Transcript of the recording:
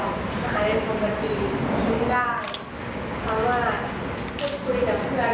ตอนนี้ก็หายแล้วแต่ว่าก็คับเงื้อยัง